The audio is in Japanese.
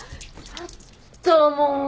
ちょっともう。